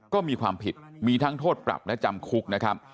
ก็มีความผิดมีทั้งโทษปรับและจำคุกนะครับ